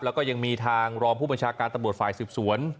แล้วก็ยังมีทางรองผู้บัญชาการตำรวจฝ่ายสืบสวน